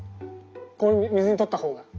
こう水にとった方が。